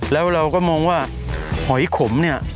แล้วเราก็มองว่าหอยขมเนี่ย